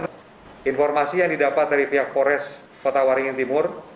pemeriksaan ini adalah warga negara pakistan yang mengingatkan